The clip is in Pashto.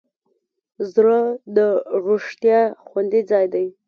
زړه د رښتیا خوندي ځای دی.